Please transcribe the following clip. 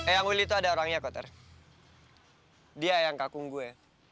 yang willy itu ada orangnya kotter dia yang kakung gue